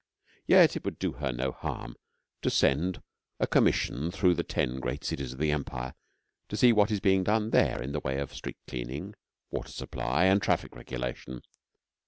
Yet it would do her no harm to send a commission through the ten great cities of the Empire to see what is being done there in the way of street cleaning, water supply, and traffic regulation.